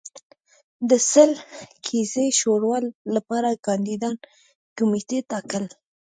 د سل کسیزې شورا لپاره کاندیدان کمېټې ټاکل